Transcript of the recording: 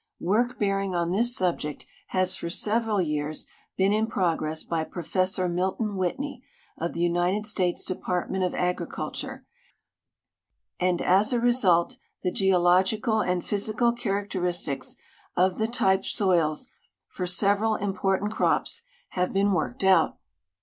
Work bearing on this subject has for several years lieen in jirogressby Professor Milton Whitney, of the United States Department of Agriculture, and as a result the geological and physical characteristics of the type soils for several important crops have been worked out.